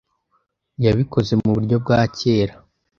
Yabikoze muburyo bwa kera.